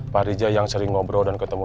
pak rija yang sering ngobrol dan ketemu